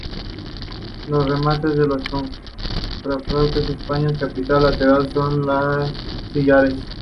Los remates de los contrafuertes, espadaña y capilla laterales, son de sillares.